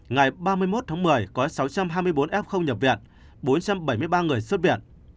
ngày ba mươi một tháng một mươi có sáu trăm hai mươi bốn f không nhập viện bốn trăm bảy mươi ba người xuất viện